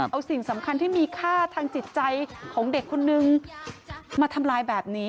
เอาสิ่งสำคัญที่มีค่าทางจิตใจของเด็กคนนึงมาทำลายแบบนี้